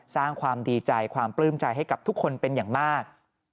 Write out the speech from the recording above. สร้างความดีใจความปลื้มใจให้กับทุกคนเป็นอย่างมาก